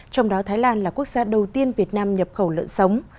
trong đó thái lan là quốc gia đầu tiên việt nam nhập khẩu lợn sống